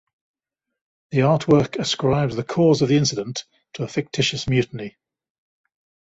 The artwork ascribes the cause of the incident to a fictitious mutiny.